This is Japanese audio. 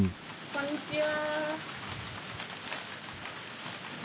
こんにちは。